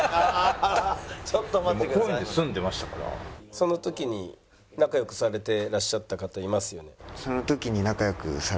「その時に仲良くされていらっしゃった方いますよね？」。